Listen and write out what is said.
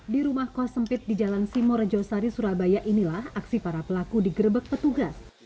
di rumah kos sempit di jalan simorejo sari surabaya inilah aksi para pelaku di gerebek petugas